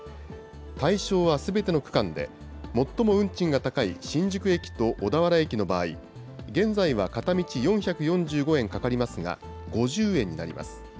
対象はすべての区間で、最も運賃が高い新宿駅と小田原駅の場合、現在は片道４４５円かかりますが、５０円になります。